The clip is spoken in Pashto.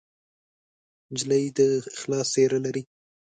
نجلۍ د اخلاص څېره لري.